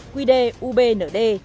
quy đê ubnd